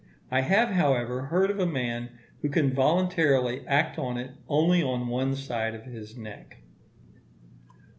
I have, however, heard of a man who can voluntarily act on it only on one side of his neck.